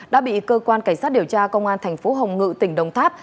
đã bị cơ quan cảnh sát điều tra công an thành phố hồng ngự tỉnh đồng tháp